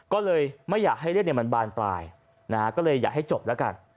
ก็เลยไม่อยากให้เรื่องมันบานปลายนะฮะก็เลยอยากให้จบแล้วกัน